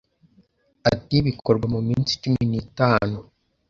Ati Bikorwa mu minsi cumi nitanu